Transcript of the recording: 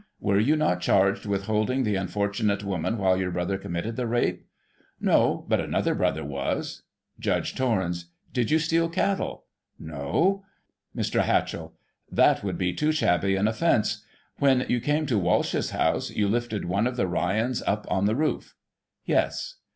' Were you not charged with holding the unfortunate woman while your brother committed the rape? — No, but another brother was. Judge Torrens : Did you steal cattle ?— No. Mr. Hatchell : That would be too shabby an offence. When you came to Walsh's house, you lifted one of the Ryans up in the roof ?— Yes.